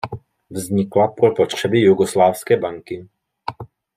Vznikla pro potřeby Jugoslávské banky.